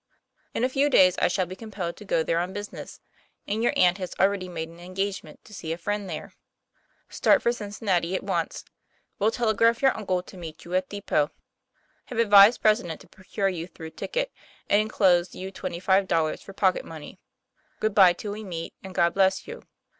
In a few days I shall be compelled to go there on business, and your aunt has already made an engagement to see a friend there. Start for Cincinnati at once. Will telegraph your uncle to meet you at depot. Have advised president to procure you through ticket, and enclose you twenty five dollars for pocket money. Good by till we meet, and God bless you.